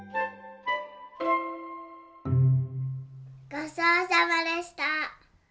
ごちそうさまでした！